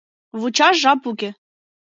Вучаш жап уке.